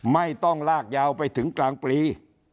ไม่ต้องลากยาวไปถึงกลางปี